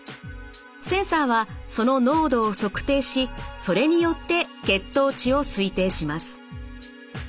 センサーはその濃度を測定しそれによって血糖値を推定します。